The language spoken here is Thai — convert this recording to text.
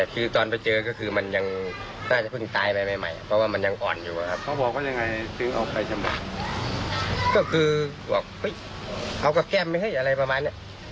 ก็เลยคิดว่าพูดกันเล่น